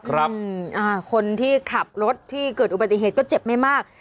คนที่ขับรถที่เกิดอุบัติเหตุก็เจ็บไม่มาก